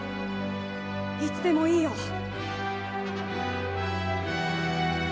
いつでもいいよ。